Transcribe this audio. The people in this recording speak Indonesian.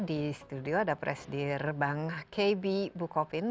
di studio ada presidir bank kb bukopin